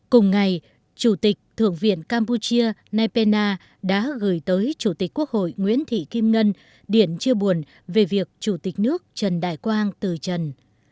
cùng ngày chủ tịch thượng viện campuchia nay pena đã gửi tới chủ tịch quốc hội nguyễn thị kim ngân điện chia buồn về việc chủ tịch nước trần đại quang từ trần